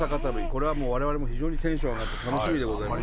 これはもう我々も非常にテンション上がって楽しみでございます。